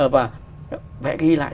và vẽ ghi lại